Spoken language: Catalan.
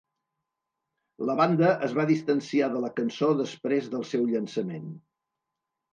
La banda es va distanciar de la cançó després del seu llançament.